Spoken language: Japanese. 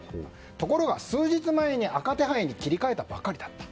ところが数日前に赤手配に切り替えたばかりだった。